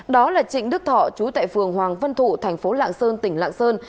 đó là trịnh đức thọ chú tại phường hoàng vân thụ thành phố lạng sơn tỉnh lạng sơn